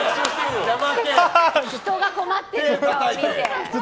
人が困ってる顔見て。